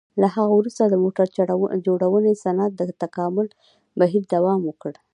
له هغه وروسته د موټر جوړونې صنعت د تکامل بهیر دوام وکړ.